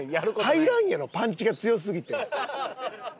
入らんやろパンチが強すぎて。